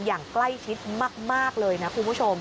อย่างใกล้ชิดมากเลยนะคุณผู้ชม